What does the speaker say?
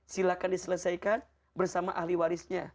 silahkan diselesaikan bersama ahli warisnya